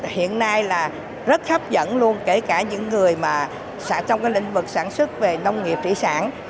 hiện nay là rất hấp dẫn luôn kể cả những người trong lĩnh vực sản xuất về nông nghiệp trị sản